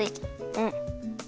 うん。